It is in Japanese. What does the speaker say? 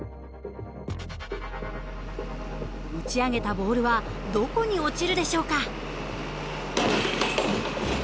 打ち上げたボールはどこに落ちるでしょうか？